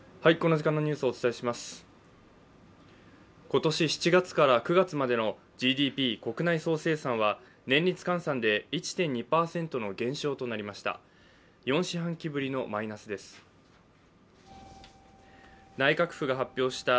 今年７月から９月までのＧＤＰ＝国内総生産は年率換算で１．２％の減少となりました。